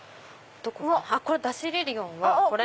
ダシリリオンはこれ。